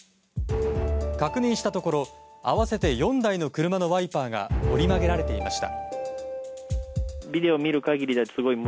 確認したところ合わせて４台の車のワイパーが折り曲げられていました。